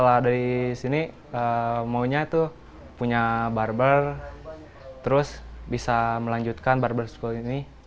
kalau dari sini maunya itu punya barber terus bisa melanjutkan barber school ini